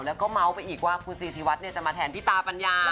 แล้วก็เมาส์ไปอีกว่าคุณซีซีวัดจะมาแทนพี่ตาปัญญา